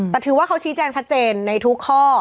แต่ถือว่าเขาชี้แจงชัดเจนในทุกข้อ